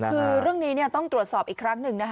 คือเรื่องนี้ต้องตรวจสอบอีกครั้งหนึ่ง